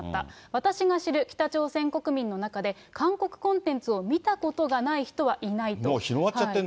私が知る北朝鮮国民の中で、韓国コンテンツを見たことがない人はもう広がっちゃってるんだ。